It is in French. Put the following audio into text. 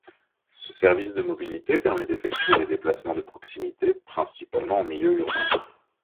Ce service de mobilité permet d'effectuer des déplacements de proximité principalement en milieu urbain.